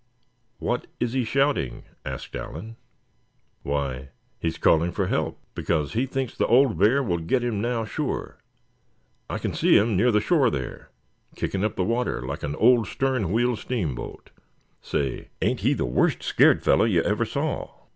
what is he shouting?" asked Allan. "Why, he's calling for help, because he thinks the old bear will get him now, sure. I c'n see him near the shore there, kicking up the water like an old stern wheel steamboat. Say, ain't he the worst scared fellow you ever saw?"